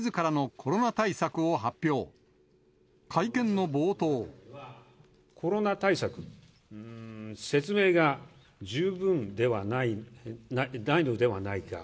コロナ対策、説明が十分ではないのではないか。